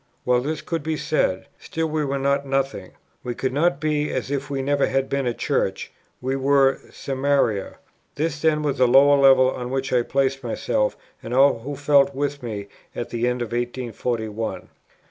Well, this could be said; still we were not nothing: we could not be as if we never had been a Church; we were "Samaria." This then was that lower level on which I placed myself, and all who felt with me, at the end of 1841. Matt. xxiv.